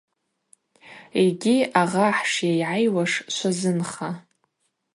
Йгьи агъа хӏшйайгӏайуаш швазынха.